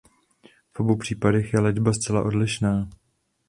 V obou případech je léčba zcela odlišná.